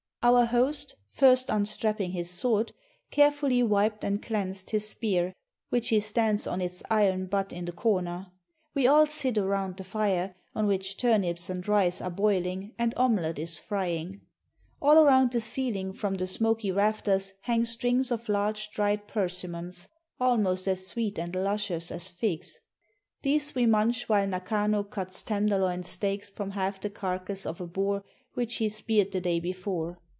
Our host, first unstrapping his sword, carefully wiped and cleansed his spear, which he stands on its iron butt in the corner. We all sit around the fire, on which turnips and rice are boiling and omelet is frying. All around the ceiling from the smoky rafters hang strings of large dried persimmons, almost as sweet and luscious as figs. These we munch while Nakano cuts tenderloin steaks from half the carcass of a boar which he speared the day before.